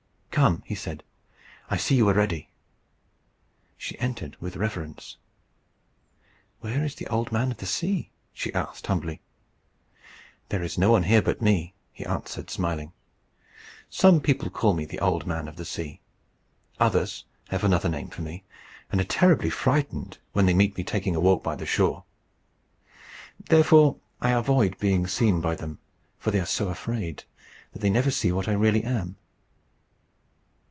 "Come," he said; "I see you are ready." She entered with reverence. "Where is the Old Man of the Sea?" she asked, humbly. "There is no one here but me," he answered, smiling. "Some people call me the Old Man of the Sea. Others have another name for me, and are terribly frightened when they meet me taking a walk by the shore. Therefore I avoid being seen by them, for they are so afraid, that they never see what I really am.